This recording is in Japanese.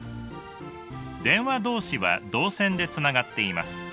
電話同士は銅線でつながっています。